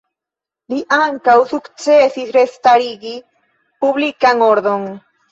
Li ankaŭ sukcesis restarigi publikan ordon.